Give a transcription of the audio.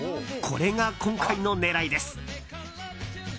これが今回の狙いです。